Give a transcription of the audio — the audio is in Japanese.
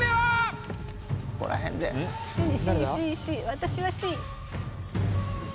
私はＣ。